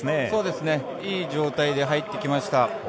そうですね、いい状態で入ってきました。